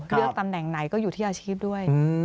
ตำแหน่งไหนก็อยู่ที่อาชีพด้วย